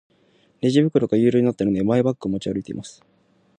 レジ袋が有料になったので、マイバッグを持ち歩いています。